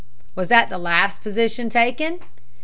"Was that the last position taken?"